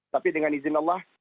tapi dengan izin allah